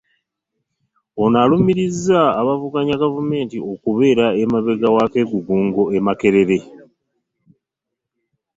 Ono alumirizza abavuganya gavumenti okubeera emabega w'akeegugungo e Makerere